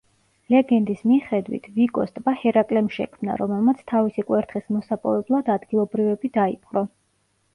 ლეგენდის მიხედვით, ვიკოს ტბა ჰერაკლემ შექმნა, რომელმაც თავისი კვერთხის მოსაპოვებლად ადგილობრივები დაიპყრო.